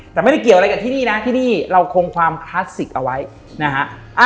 แต่ไม่ได้เกี่ยวอะไรกับที่นี่นะที่นี่เราคงความคลาสสิกเอาไว้นะฮะ